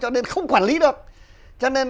cho nên không quản lý được